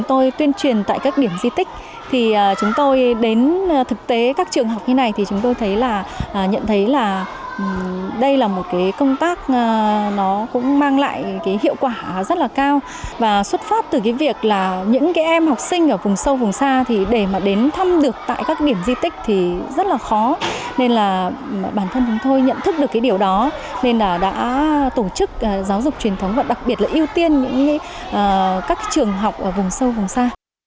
giáo dục truyền thống và đặc biệt là ưu tiên những các trường học ở vùng sâu vùng xa